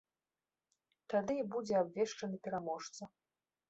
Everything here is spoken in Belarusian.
Тады і будзе абвешчаны пераможца.